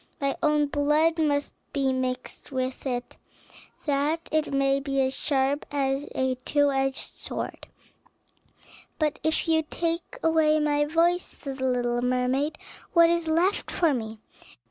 My own blood must be mixed with it, that it may be as sharp as a two edged sword." "But if you take away my voice," said the little mermaid, "what is left for me?"